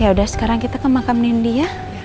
yaudah sekarang kita ke makam nindi ya